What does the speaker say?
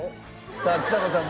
さあちさ子さん